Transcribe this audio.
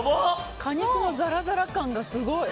果肉のザラザラ感がすごい。